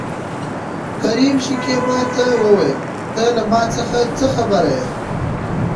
کريم شکيبا ته وويل ته له ما څخه څه خبره يې؟